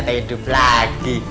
ternyata hidup lagi